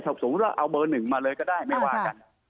ถ้าสมมุติว่าเอาเบอร์หนึ่งมาเลยก็ได้ไม่ว่ากัน